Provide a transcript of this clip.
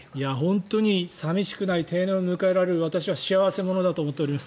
本当に寂しくない定年を迎えられる私は幸せ者だと思っています。